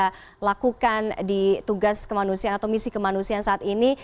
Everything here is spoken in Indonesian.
terima kasih sudah melakukan di tugas kemanusiaan atau misi kemanusiaan saat ini